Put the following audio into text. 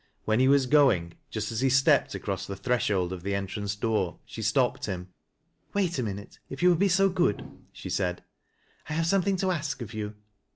When he was going, just as he stepped across the threshold of the en trance door, she stopped him. " "Wait a minute, if you will be so good," she said, " 1 have something to ask of you."